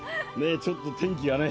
ちょっと、天気がね。